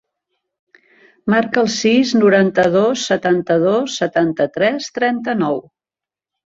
Marca el sis, noranta-dos, setanta-dos, setanta-tres, trenta-nou.